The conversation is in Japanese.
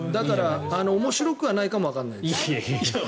面白くはないかもわからない。